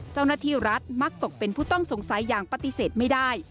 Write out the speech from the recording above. เจ้าหน้าที่รัฐมักตกเป็นผู้ต้องสงสัยอย่างปฏิเสธไม่ได้